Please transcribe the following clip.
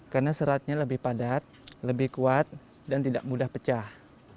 karena seratnya lebih padat lebih kuat dan tidak mudah pecah